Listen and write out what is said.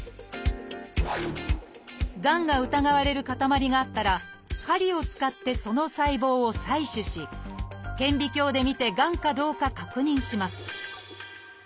がんが疑われる塊があったら針を使ってその細胞を採取し顕微鏡でみてがんかどうか確認します